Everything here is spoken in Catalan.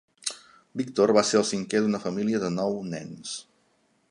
Victor va ser el cinquè d'una família de nou nens.